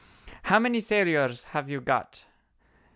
How many sailors have you got?"